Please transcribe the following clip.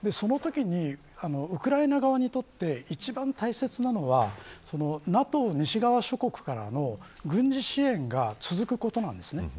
そのときに、ウクライナ側にとって一番大切なのはＮＡＴＯ、西側諸国からの軍事支援が続くことです。